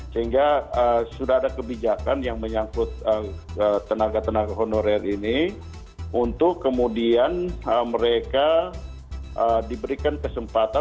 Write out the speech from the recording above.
sehingga sudah ada kebijakan yang menyangkut tenaga tenaga honorer ini untuk kemudian mereka diberikan kesempatan